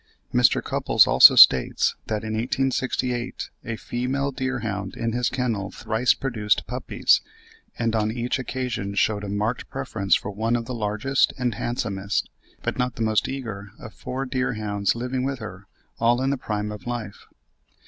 Mr. Cupples also states, that in 1868, a female deerhound in his kennel thrice produced puppies, and on each occasion shewed a marked preference for one of the largest and handsomest, but not the most eager, of four deerhounds living with her, all in the prime of life.